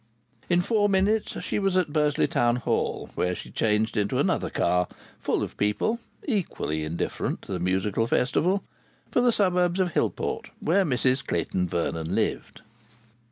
In four minutes she was at Bursley Town Hall, where she changed into another car full of people equally indifferent to the Musical Festival for the suburb of Hillport, where Mrs Clayton Vernon lived.